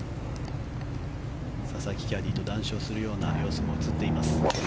佐々木キャディーと談笑するような様子も映っています。